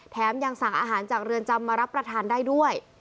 ยังสั่งอาหารจากเรือนจำมารับประทานได้ด้วย